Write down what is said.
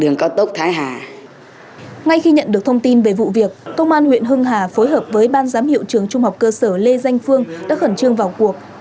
ngay khi nhận được thông tin về vụ việc công an huyện hưng hà phối hợp với ban giám hiệu trường trung học cơ sở lê danh phương đã khẩn trương vào cuộc